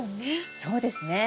そうですね。